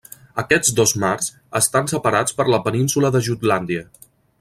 Aquests dos mars estan separats per la Península de Jutlàndia.